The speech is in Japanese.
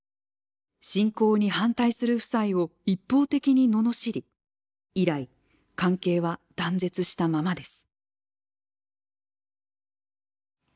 侵攻に反対する夫妻を一方的にののしり以来関係は断絶したままです。